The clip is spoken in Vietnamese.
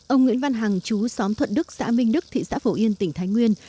ông nguyễn văn hằng chú xóm thuận đức xã minh đức thị xã phổ yên tỉnh thái nguyên